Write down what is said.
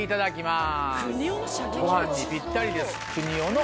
ご飯にぴったりです。